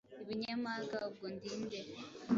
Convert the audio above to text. ibinyamaga. Ubwo ndi nde?